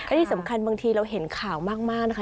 และที่สำคัญบางทีเราเห็นข่าวมากนะคะ